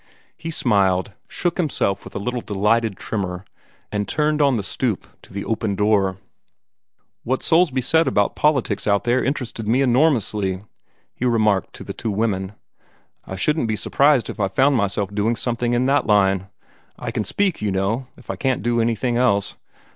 He smiled, shook himself with a little delighted tremor, and turned on the stoop to the open door. "What Soulsby said about politics out there interested me enormously," he remarked to the two women. "I shouldn't be surprised if I found myself doing something in that line. I can speak, you know, if I can't do anything else.